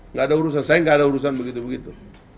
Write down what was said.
nggak ada urusan saya nggak ada urusan begitu begitu